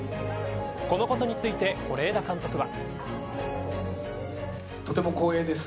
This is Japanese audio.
このことについて、是枝監督は。